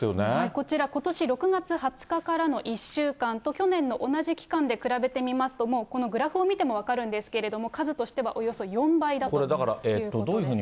こちら、ことし６月２０日からの１週間と去年の同じ期間で比べてみますと、もうこのグラフを見ても分かるんですけれども、数としてはおよそ４倍だということです。